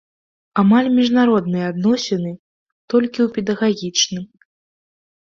Амаль міжнародныя адносіны, толькі ў педагагічным.